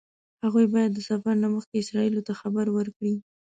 هغوی باید د سفر نه مخکې اسرائیلو ته خبر ورکړي.